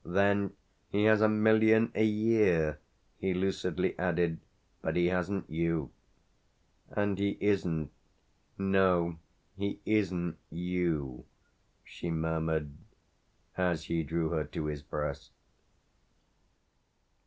Then, "He has a million a year," he lucidly added. "But he hasn't you." "And he isn't no, he isn't you!" she murmured, as he drew her to his breast.